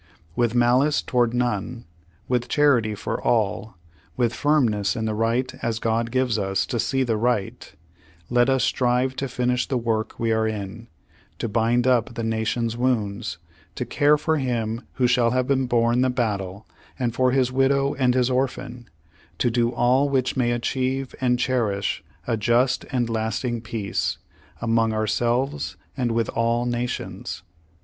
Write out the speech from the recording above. "With malice toward none, v/ith charity for all, with firmness in the right as God gives us to see the right, let us strive to finish the work we are in, to bind up the Nation's wounds, to care for him who shall have borne the battle and for his widow and his orphan, to do all which may achieve and cherish a just and a lasting peace among ourselves and with all nations."